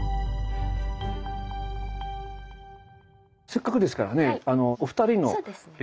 せっかくですからねお二人の干支はえっと？